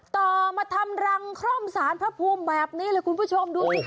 ต่อมาทำรังคร่อมสารพระภูมิแบบนี้เลยคุณผู้ชมดูสิ